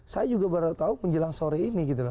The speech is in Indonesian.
saya juga baru tahu menjelang sore ini